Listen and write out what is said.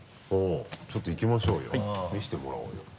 ちょっといきましょうよ見せてもらおうよ。